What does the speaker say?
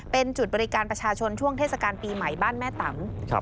เป็นจุดบริการประชาชนช่วงเทศกาลปีใหม่บ้านแม่ต่ำ